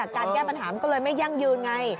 แก้ปัญหามันก็เลยไม่ยั่งยืนไง